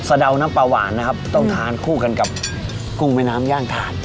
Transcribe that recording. เดาน้ำปลาหวานนะครับต้องทานคู่กันกับกุ้งแม่น้ำย่างถ่าน